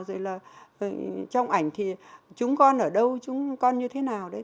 rồi là trong ảnh thì chúng con ở đâu chúng con như thế nào đấy